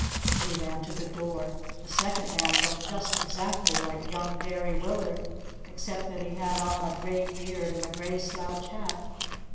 We ran to the door. The second man looked just exactly like young Derry Willard except that he had on a gray beard and a gray slouch hat.